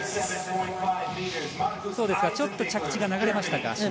ちょっと着地が流れましたか。